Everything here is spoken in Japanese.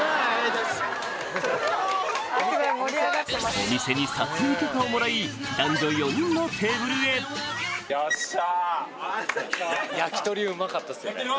お店に撮影許可をもらい男女４人のテーブルへよっしゃ。